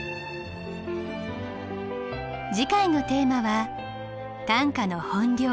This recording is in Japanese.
次回のテーマは短歌の本領